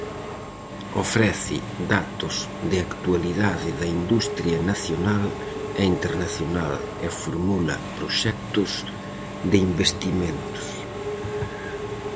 Ofrece datos de actualidade da industria nacional e internacional, e formula proxectos de investimentos.